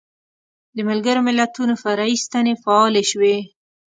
د ملګرو ملتونو فرعي ستنې فعالې شوې.